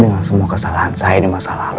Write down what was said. dengan semua kesalahan saya di masa lalu